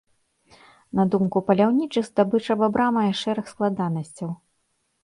На думку паляўнічых, здабыча бабра мае шэраг складанасцяў.